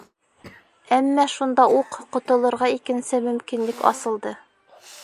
Әммә шунда уҡ ҡотолорға икенсе мөмкинлек асылды.